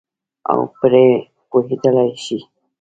او پرې پوهېدلای شي.